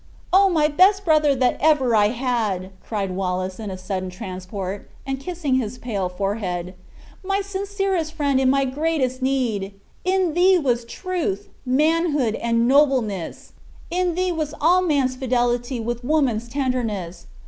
"Oh! my best brother that ever I had," cried Wallace in a sudden transport, and kissing his pale forehead; "my sincerest friend in my greatest need! In thee was truth, manhood, and nobleness; in thee was all man's fidelity with woman's tenderness.